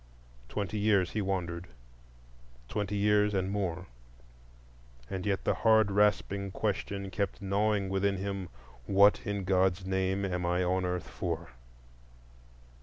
Twenty years he wandered,—twenty years and more; and yet the hard rasping question kept gnawing within him, "What, in God's name, am I on earth for?"